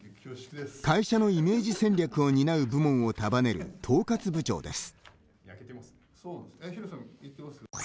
会社のイメージ戦略を担う部門を束ねる統括部長です。